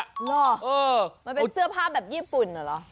เหรอมันเป็นเสื้อผ้าแบบญี่ปุ่นเหรอ